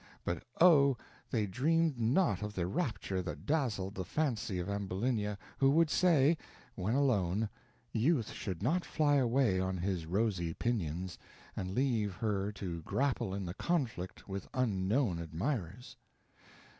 But oh! they dreamed not of the rapture that dazzled the fancy of Ambulinia, who would say, when alone, youth should not fly away on his rosy pinions, and leave her to grapple in the conflict with unknown admirers.